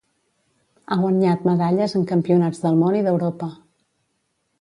Ha guanyat medalles en campionats del món i d'Europa.